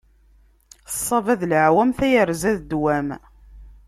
Ṣṣaba d leɛwam, tayerza d ddwam.